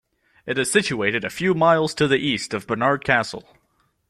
It is situated a few miles to the east of Barnard Castle.